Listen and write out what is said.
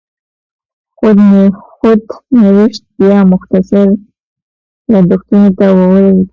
خود نوشت بیا مختصر یادښتونو ته ویل کېږي.